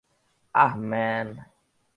আহ, man.